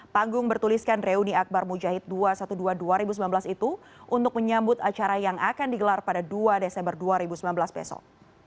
panggung bertuliskan reuni akbar mujahid dua ratus dua belas dua ribu sembilan belas itu untuk menyambut acara yang akan digelar pada dua desember dua ribu sembilan belas besok